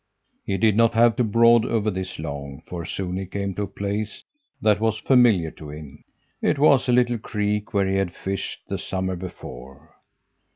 "He did not have to brood over this long, for soon he came to a place that was familiar to him. It was a little creek where he had fished the summer before.